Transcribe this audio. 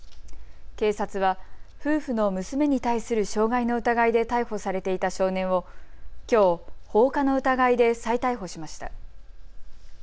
警察は夫婦の娘に対する傷害の疑いで逮捕されていた少年をきょう、放火の疑いで再逮捕しました。